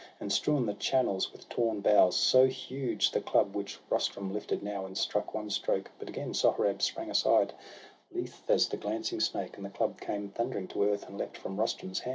And strewn the channels with torn boughs — so huge The club which Rustum lifted now, and struck One stroke; but again Sohrab sprang aside, Lithe as the glancing snake, and the club came Thundering to earth, and leapt from Rustum's hand.